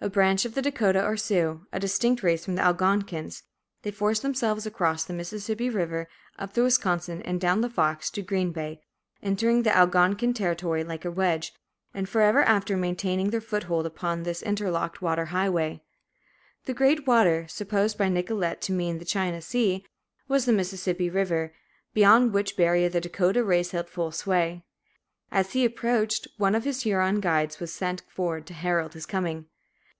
A branch of the Dakotahs, or Sioux, a distinct race from the Algonquins, they forced themselves across the Mississippi River, up the Wisconsin, and down the Fox, to Green Bay, entering the Algonquin territory like a wedge, and forever after maintaining their foothold upon this interlocked water highway. "The great water," supposed by Nicolet to mean the China Sea, was the Mississippi River, beyond which barrier the Dakotah race held full sway. As he approached, one of his Huron guides was sent forward to herald his coming.